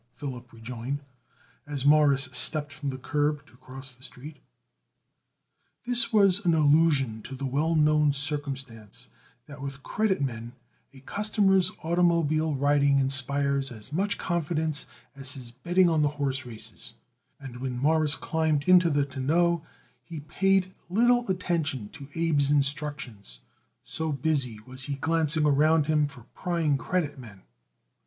Philip rejoined as Morris stepped from the curb to cross the street. This was an allusion to the well known circumstance that with credit men a customer's automobile riding inspires as much confidence as his betting on the horse races, and when Morris climbed into the tonneau he paid little attention to Abe's instructions, so busy was he glancing around him for prying credit men.